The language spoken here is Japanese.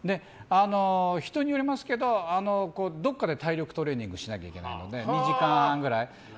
人によりますけどどこかで体力トレーニングしなきゃいけないので２時間ぐらい。